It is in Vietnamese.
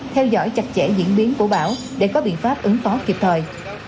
theo dõi chặt chẽ diễn biến của bão để có biện pháp ứng phó kịp thời